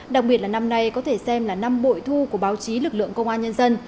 đặc biệt là năm nay có thể xem là năm bội thu của báo chí lực lượng công an nhân dân